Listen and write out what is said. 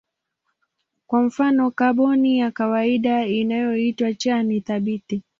Kwa mfano kaboni ya kawaida inayoitwa C ni thabiti.